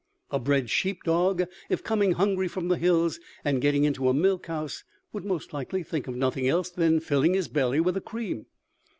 A bred sheep dog, if coming hungry from the hills, and getting into a milk house, would most likely think of nothing else than filling his belly with the cream.